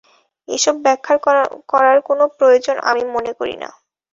এসব ব্যাখ্যা করার কোনো প্রয়োজন আমি মনে করি না।